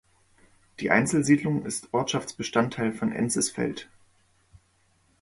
Die Einzelsiedlung ist Ortschaftsbestandteil von Enzesfeld.